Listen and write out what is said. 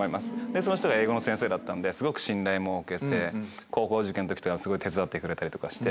その人が英語の先生だったんですごく信頼も置けて高校受験の時とかすごい手伝ってくれたりとかして。